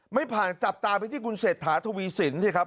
ไม่ผ่านจับตาไปที่คุณเศรษฐาทวีสินสิครับ